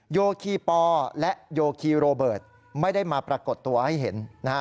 โยคีปอและโยคีโรเบิร์ตไม่ได้มาปรากฏตัวให้เห็นนะฮะ